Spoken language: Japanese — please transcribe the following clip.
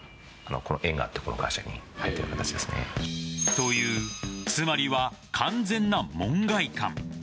という、つまりは完全な門外漢。